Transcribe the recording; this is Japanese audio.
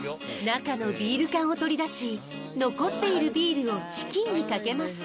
中のビール缶を取り出し残っているビールをチキンにかけます